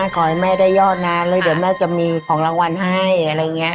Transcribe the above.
ขอให้แม่ได้ยอดนานแล้วเดี๋ยวแม่จะมีของรางวัลให้อะไรอย่างนี้